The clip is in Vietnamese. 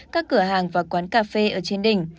các cửa hàng và quán cà phê ở trên đỉnh